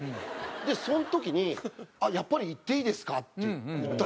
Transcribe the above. でその時に「やっぱり行っていいですか？」って言ったんですよ。